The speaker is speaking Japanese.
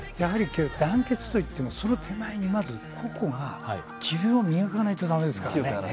団結といっても、その前に個々が自分を磨かなきゃだめですからね。